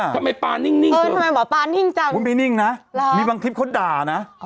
ทำไมปลานิ่งนิ่งเออทำไมหมอปลานิ่งจังมันไม่นิ่งนะแล้วมีบางคลิปเขาด่านะ